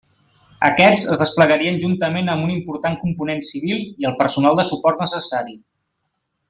Aquests es desplegarien juntament amb un important component civil i el personal de suport necessari.